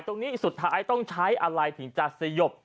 ตรงนี้สุดท้ายต้องใช้อะไรถึงจะสยบ